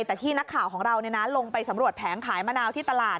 แต่ที่นักข่าวของเราลงไปสำรวจแผงขายมะนาวที่ตลาด